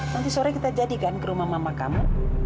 nanti sore kita jadikan ke rumah mama kamu